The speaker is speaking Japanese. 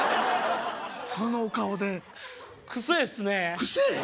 そのお顔でくせえっすねくせえ？